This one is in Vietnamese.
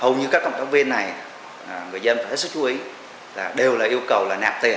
hầu như các công tác viên này người dân phải hết sức chú ý là đều là yêu cầu là nạp tiền